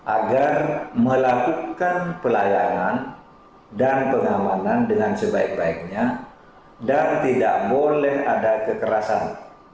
agar melakukan pelayanan dan pengamanan dengan sebaik baiknya dan tidak boleh ada kekerasan